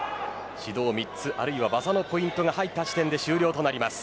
指導３つ、あるいは技のポイントが入った時点で終了となります。